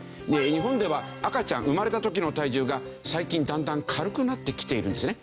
日本では赤ちゃん生まれた時の体重が最近だんだん軽くなってきているんですね。